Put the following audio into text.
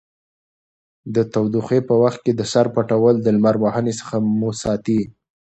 د تودوخې په وخت کې د سر پټول له لمر وهنې څخه مو ساتي.